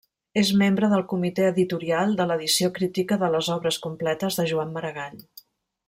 És membre del comitè editorial de l’edició crítica de les obres completes de Joan Maragall.